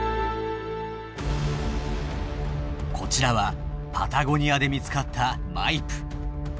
こちらはパタゴニアで見つかったマイプ。